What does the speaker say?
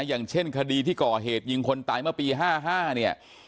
อย่างเช่นคดีที่ก่อเหตุยิงคนตายเมื่อปี๕๕เนี่ย